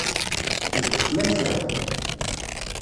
D ddexla-k ta?